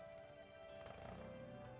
tidak ada ruang